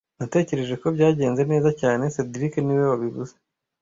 Natekereje ko byagenze neza cyane cedric niwe wabivuze